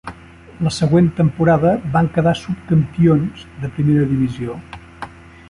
La següent temporada van quedar subcampions de primera divisió.